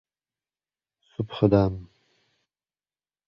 — Subhidam!..